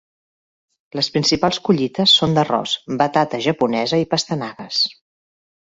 Les principals collites són d'arròs, batata japonesa i pastanagues.